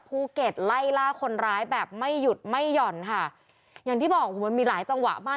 ภูเก็ตไล่ล่าคนร้ายแบบไม่หยุดไม่หย่อนค่ะอย่างที่บอกโอ้โหมันมีหลายจังหวะมาก